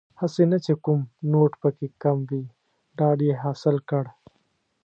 هسې نه چې کوم نوټ پکې کم وي ډاډ یې حاصل کړ.